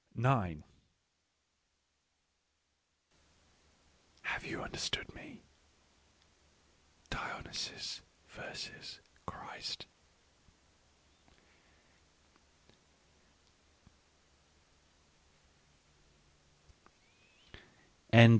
t Have you understood me? Dionysus versus Christ.